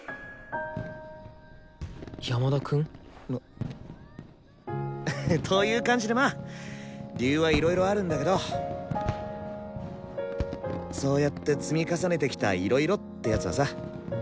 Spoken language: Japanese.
山田くん？という感じでまあ理由はいろいろあるんだけどそうやって積み重ねてきた「いろいろ」ってやつはさ